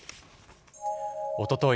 おととい